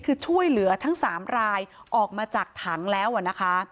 คือช่วยเหลือทั้ง๓รายออกมาจากถังแล้วนะคะ